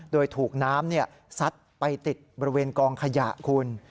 โดยถูกน้ำซัดไปติดบริเวณกองขยะคุณ